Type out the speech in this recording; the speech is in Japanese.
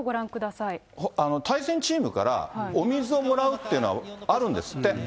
これ、対戦チームからお水をもらうっていうのはあるんですって。